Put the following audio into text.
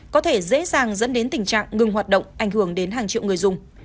có thể dễ dàng dẫn đến tình trạng ngừng hoạt động ảnh hưởng đến hàng triệu người dùng